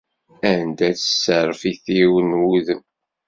Anda-tt tserfiṭ-iw n wudem?